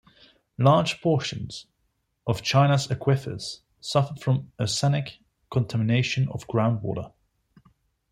Large portions of China's aquifers suffer from arsenic contamination of groundwater.